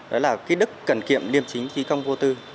đó là kỹ đức cần kiệm liêm chính trí công vô tư